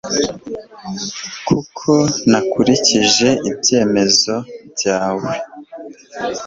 kuko nakurikije ibyemezo byawe